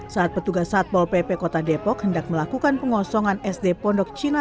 saat petugas satpol pp kota depok hendak melakukan pengosongan sd pondok cina